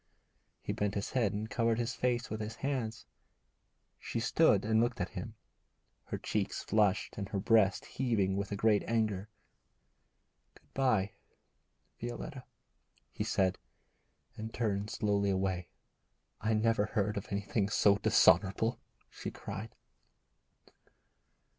He bent his head and covered his face with his hands. She stood and looked at him, her cheeks flushed and her breast heaving with a great anger. 'Good bye, Violetta,' he said, and turned slowly away. 'I never heard of anything so dishonourable,' she cried.